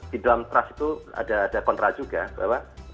di dalam trust itu ada kontra juga bahwa